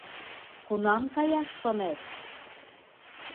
— Кунам каяш шонет?